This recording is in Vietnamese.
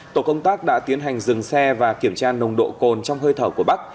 tổ công tác đã tiến hành dừng xe và kiểm tra nồng độ cồn trong hơi thở của bắc